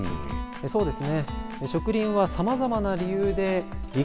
そうですね。